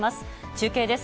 中継です。